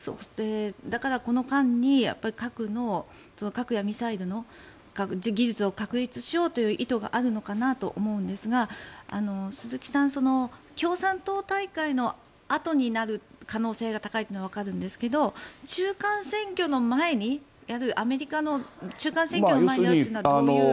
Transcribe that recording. だからこの間に核やミサイルの技術を確立しようという意図があるのかなと思うんですが鈴木さん、共産党大会のあとになる可能性が高いのはわかるんですけど中間選挙の前にやるアメリカの中間選挙の前にやるというのはどういう。